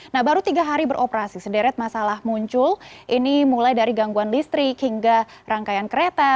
nah baru tiga hari beroperasi sederet masalah muncul ini mulai dari gangguan listrik hingga rangkaian kereta